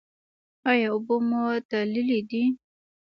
ایا اوبه مو تللې دي؟